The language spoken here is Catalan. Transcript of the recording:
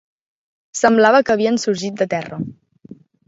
Semblava que havien sorgit de terra